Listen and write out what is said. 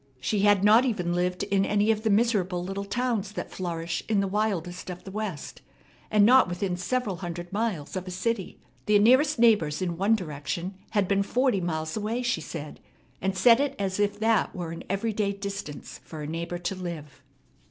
She had not even lived in any of the miserable little towns that flourish in the wildest of the West, and not within several hundred miles of a city. Their nearest neighbors in one direction had been forty miles away, she said, and said it as if that were an everyday distance for a neighbor to live.